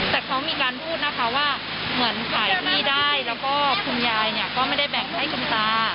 แต่เขามีการพูดนะคะว่าเหมือนขายที่ได้แล้วก็คุณยายเนี่ยก็ไม่ได้แบ่งให้คุณตา